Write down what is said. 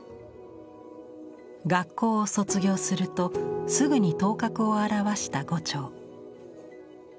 学校を卒業するとすぐに頭角を現した牛腸。